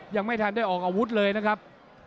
ยังไม่ทันได้ออกอาวุธเลยนะครับ